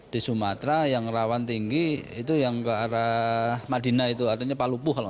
di sumatera yang rawan tinggi itu yang ke arah madinah itu artinya palupuh loh